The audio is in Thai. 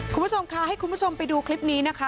คุณผู้ชมค่ะให้คุณผู้ชมไปดูคลิปนี้นะคะ